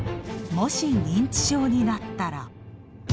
もし認知症になったら。